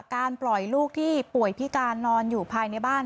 การปล่อยลูกที่ป่วยพิการนอนอยู่ภายในบ้าน